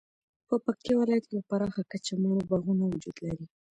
پکتیکا ولایت کې په پراخه کچه مڼو باغونه وجود لري